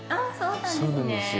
そうなんですね。